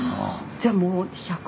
じゃあもう１００。